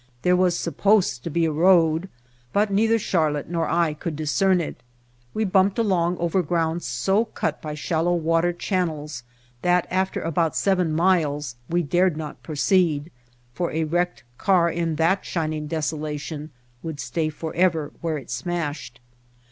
There was supposed to be a road, but neither Charlotte nor I could discern it. We bumped along over ground so cut by shallow water channels that after about seven miles we dared not proceed, for a wrecked car in that shining desolation would stay forever where it smashed.